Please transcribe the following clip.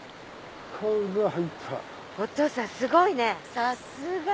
お父さんすごいねさすが！